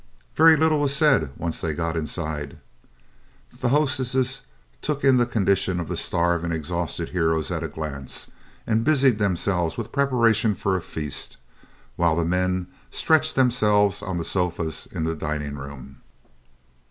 Very little was said when once they got inside. The hostesses took in the condition of the starved and exhausted heroes at a glance and busied themselves with preparations for a feast, while the men stretched themselves on the sofas in the dining room.